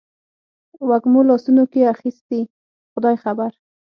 وږمو لاسونو کې اخیستي خدای خبر